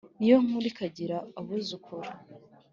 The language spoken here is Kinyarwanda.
ni yo nkuru ikagira abuzukuru